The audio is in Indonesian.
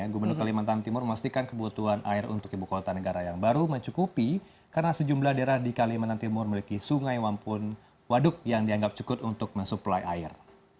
gubernur kalimantan timur memastikan kebutuhan air untuk ibu kota negara yang baru mencukupi karena sejumlah daerah di kalimantan timur memiliki sungai wampun waduk yang dianggap cukup untuk mensuplai air